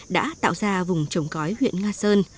đã tạo ra vùng trồng cõi huyện nga sơn